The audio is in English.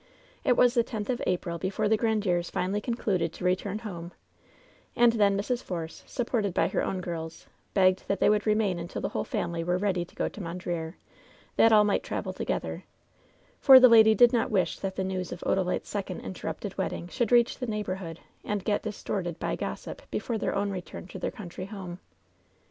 It was the tenth of April before the Grandieres finally concluded to return home, and then Mrs. Force, sup ported by her own girls, begged that they would remain until the whole family were ready to go to Mondreer, that all might travel together ; for the lady did not wish that the news of Odalite^s second interrupted wedding should reach the neighborhood and get distorted by gos sip before their own return to their country home.